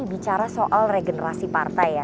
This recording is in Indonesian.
bicara soal regenerasi partai ya